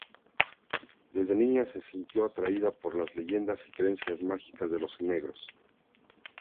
Desde niña se sintió atraída por las leyendas y creencias mágicas de los negros.